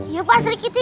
ya pak srikiti